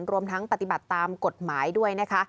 รวมทั้งปฏิบัติตามกฎหมายด้วยนะคะ